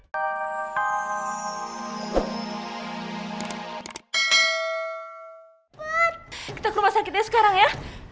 kita ke rumah sakitnya sekarang ya